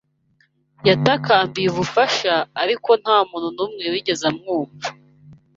Yatakambiye ubufasha, ariko nta muntu numwe wigeze amwumva.